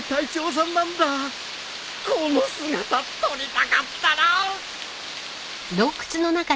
この姿撮りたかったなあ